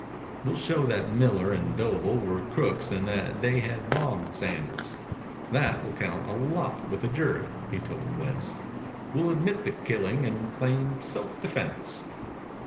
"We'll show that Miller and Doble were crooks and that they had wronged Sanders. That will count a lot with a jury," he told West. "We'll admit the killing and claim self defense."